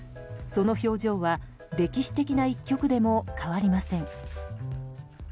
その表情は歴史的な一局でも変わりません。